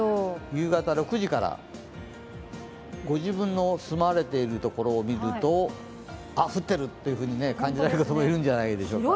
夕方６時から、ご自分の住まわれているところを見ると降っているっていうふうに感じられる方もいるんじゃないでしょうか。